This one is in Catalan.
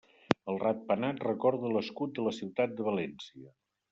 El ratpenat recorda l'escut de la ciutat de València.